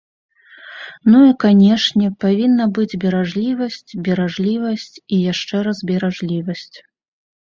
Ну, і, канешне, павінна быць беражлівасць, беражлівасць і яшчэ раз беражлівасць.